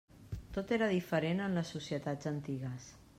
Tot era diferent en les societats antigues.